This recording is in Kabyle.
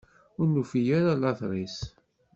Ur nufi ara later-is.